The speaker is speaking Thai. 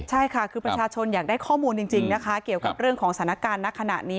ใช่ค่ะคือประชาชนอยากได้ข้อมูลจริงนะคะเกี่ยวกับเรื่องของสถานการณ์ณขณะนี้